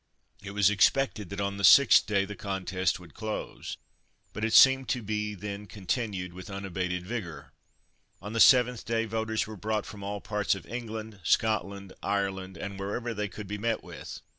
It was expected that on the sixth day the contest would close, but it seemed to be then continued with unabated vigour. On the seventh day voters were brought from all parts of England, Scotland, Ireland, and wherever they could be met with.